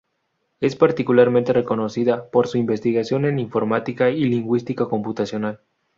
Es particularmente reconocida por su investigación en Informática y Lingüística computacional.